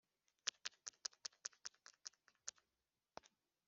Abyawe n`uwo bangaga